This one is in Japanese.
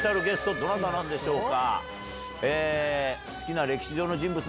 どなたなんでしょうか？